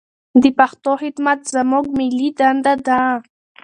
د پښتو خدمت زموږ ملي دنده ده.